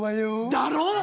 だろ！？